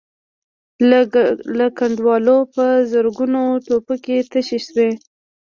له کنډوالو په زرګونو ټوپکې تشې شوې.